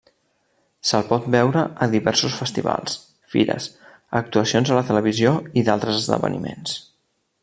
Se'l pot veure a diversos festivals, fires, actuacions a la televisió i d'altres esdeveniments.